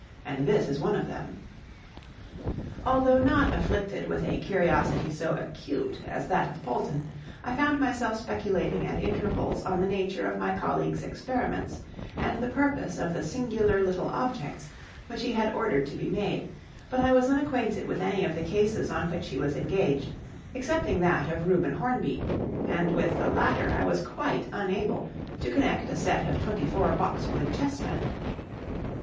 And this is one of them." Although not afflicted with a curiosity so acute as that of Polton, I found myself speculating at intervals on the nature of my colleague's experiments and the purpose of the singular little objects which he had ordered to be made; but I was unacquainted with any of the cases on which he was engaged, excepting that of Reuben Hornby, and with the latter I was quite unable to connect a set of twenty four boxwood chessmen.